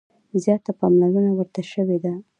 زیاته پاملرنه ورته شوې ده.